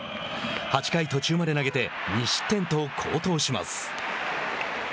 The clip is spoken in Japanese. ８回途中まで投げて２失点と好投します。